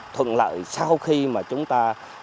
thuận lợi sau khi mà chúng ta